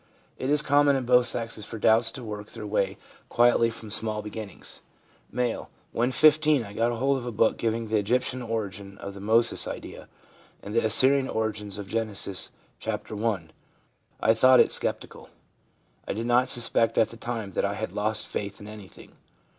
It is common in both sexes for doubts to work their way quietly from small beginnings. M. * When 15 I got hold of a book giving the Egyptian origin of the Moses idea, and the Assyrian origin of Genesis, chapter i. I thought it sceptical. I did not suspect at the time that I had lost faith in anything.